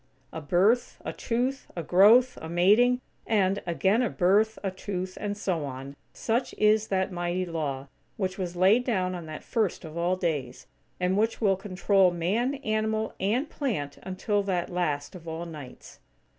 A birth, a tooth, a growth, a mating; and, again a birth, a tooth, and so on. Such is that mighty Law, which was laid down on that first of all days; and which will control Man, animal, and plant until that last of all nights.